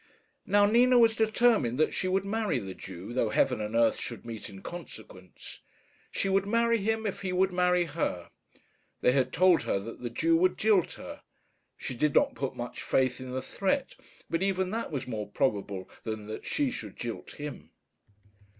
Now, Nina was determined that she would marry the Jew, though heaven and earth should meet in consequence. She would marry him if he would marry her. They had told her that the Jew would jilt her. She did not put much faith in the threat; but even that was more probable than that she should jilt him.